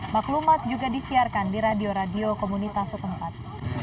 maklumat juga disiarkan di radio radio komunitas setempat